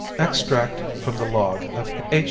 Extract from the log of H.